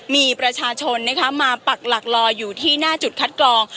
มีประชาชนมาปักหลักรออยู่ที่หน้าจุดคัดกรอง